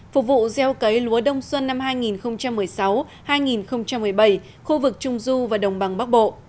phục vụ gieo cấy lúa đông xuân năm hai nghìn một mươi sáu hai nghìn một mươi bảy khu vực trung du và đồng bằng bắc bộ